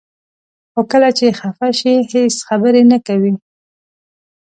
خو کله چې خفه شي هیڅ خبرې نه کوي.